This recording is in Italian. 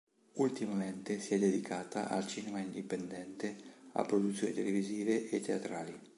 Ultimamente si è dedicata al cinema indipendente, a produzioni televisive e teatrali.